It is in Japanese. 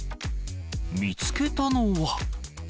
見つけたのは。